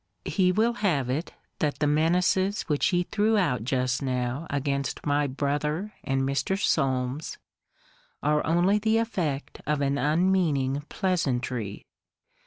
He will have it, that the menaces which he threw out just now against my brother and Mr. Solmes, are only the effect of an unmeaning pleasantry.